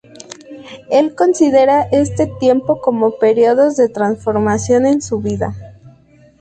Él considera este tiempo como períodos de transformación en su vida.